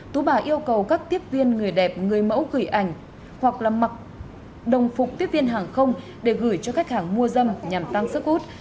tú bà yêu cầu các tiếp viên người đẹp người mẫu gửi ảnh hoặc là mặc đồng phục tiếp viên hàng không để gửi cho khách hàng mua dâm nhằm tăng sức hút